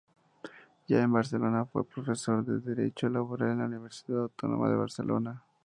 Ya en Barcelona, fue profesor de derecho laboral en la Universidad Autónoma de Barcelona.